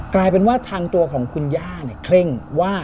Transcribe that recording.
กลายเป็นว่าทางตัวของคุณย่าเนี่ยเคร่งว่า